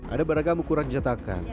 ada beragam ukuran cetakan